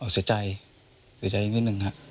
เสียใจเสียใจนิดนึงฮะ